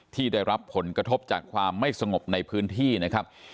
ที่ได้รับผลกระทบจากความไม่สงบในพื้นที่นะครับ